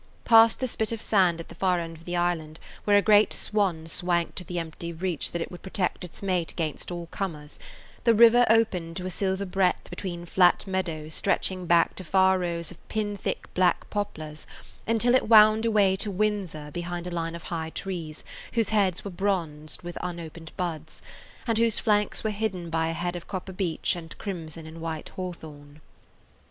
Past the spit of sand at the far end of the island, where a great swan swanked to the empty reach that it would protect its mate against all comers, the river opened to a silver breadth between flat meadows stretching back to far rows of pin thick black poplars, until it wound away to Windsor behind a line of high trees whose heads were bronze with un [Page 74] opened buds, and whose flanks were hidden by a head of copper beech and crimson and white hawthorn.